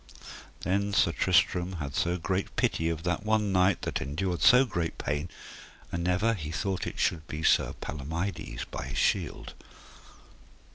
Then Sir Tristram had so great pity of that one knight that endured so great pain, and ever he thought it should be Sir Palomides, by his shield.